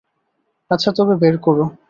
আচ্ছা, তবে বের করো।